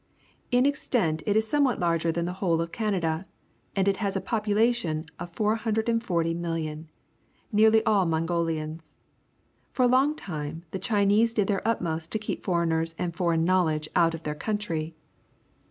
In extent it is somewhat larger than the whole of Canada, and it has a population of 440,000,000, nearly all Mongolians. For a long time the Chinese did their utmost to keep foreigners and foreign knowledge out of their country.